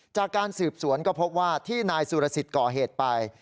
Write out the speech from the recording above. จากการสืบสวนก็พบว่าที่นายสุรสิทธิ์ก่อเหตุไป